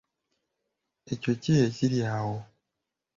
Ekyo ki ekiri awo?